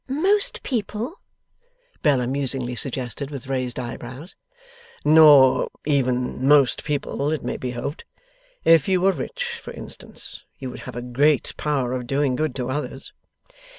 'Most people?' Bella musingly suggested with raised eyebrows. 'Nor even most people, it may be hoped. If you were rich, for instance, you would have a great power of doing good to others.